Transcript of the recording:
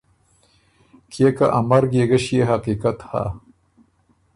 کيې که ا مرګ يې ګۀ ݭيې حقیقت هۀ۔